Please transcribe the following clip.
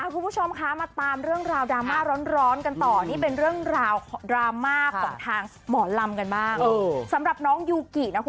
คุณผู้ชมค่ะมาตามเรื่องราวดราม่าร้อนกันต่อนี่เป็นเรื่องราวดราม่ากล่องทางหมอลำกันมาก